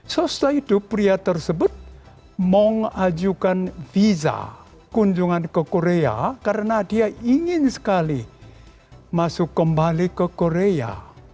selesai itu pria tersebut mengajukan viza kunjungan ke korea karena dia ingin sekali masuk kembali ke korea